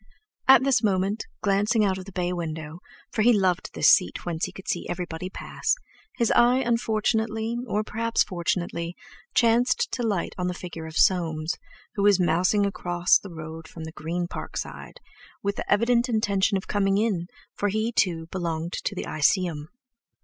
At this moment, glancing out of the bay window—for he loved this seat whence he could see everybody pass—his eye unfortunately, or perhaps fortunately, chanced to light on the figure of Soames, who was mousing across the road from the Green Park side, with the evident intention of coming in, for he, too, belonged to "The Iseeum."